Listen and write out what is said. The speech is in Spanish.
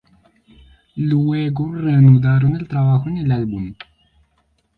Luego reanudaron el trabajo en el álbum.